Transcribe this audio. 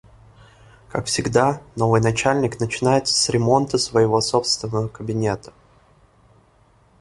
Как всегда, новый начальник начинается с ремонта своего собственного кабинета.